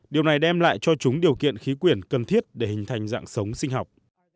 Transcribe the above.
điều này đem lại cho chúng điều kiện khí quyển cần thiết để hình thành dạng sống sinh học